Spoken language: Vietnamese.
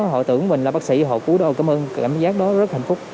họ tưởng mình là bác sĩ họ cứu tôi cảm ơn cảm giác đó rất hạnh phúc